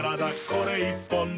これ１本で」